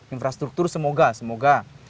infrastruktur semoga semoga